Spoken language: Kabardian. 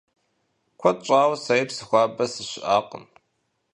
Куэд щӀауэ сэри Псыхуабэ сыщыӀакъым.